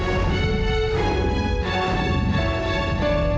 dia pasti sebesar anak itu